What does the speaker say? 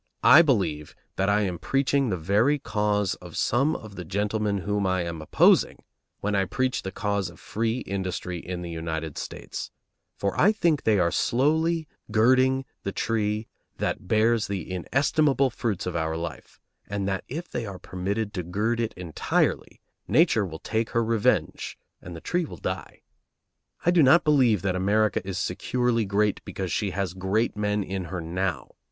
I believe that I am preaching the very cause of some of the gentlemen whom I am opposing when I preach the cause of free industry in the United States, for I think they are slowly girding the tree that bears the inestimable fruits of our life, and that if they are permitted to gird it entirely nature will take her revenge and the tree will die. I do not believe that America is securely great because she has great men in her now.